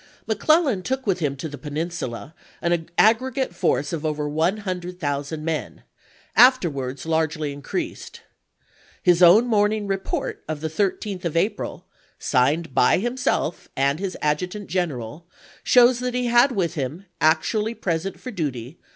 Mc Clellan took with him to the Peninsula an aggi e gate force of over 100,000 men, afterwards largely increased. His own morning report of the 13th of April, signed by himself and his adjutant general, vS: xi., shows that he had with him actually present for ^^^97!